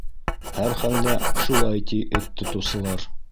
Һәр хәлдә, шулай ти эт тотоусылар.